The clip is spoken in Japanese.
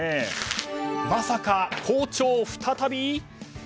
まさか校長再び？